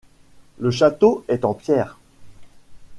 Le château est en pierre.